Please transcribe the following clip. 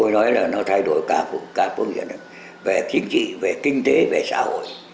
nói là nó thay đổi các phương diện về chính trị về kinh tế về xã hội